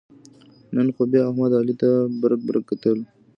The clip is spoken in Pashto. نن خو بیا احمد علي ته برگ برگ کتل.